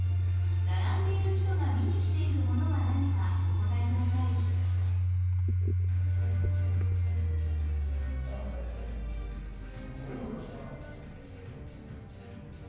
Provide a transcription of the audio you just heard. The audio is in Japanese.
並んでいる人が見に来ているものは何かお答えください・すごい昔だね・